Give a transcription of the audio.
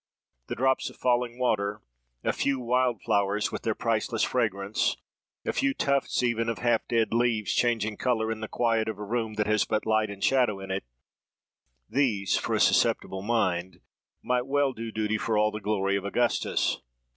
The drops of falling water, a few wild flowers with their priceless fragrance, a few tufts even of half dead leaves, changing colour in the quiet of a room that has but light and shadow in it; these, for a susceptible mind, might well do duty for all the glory of Augustus.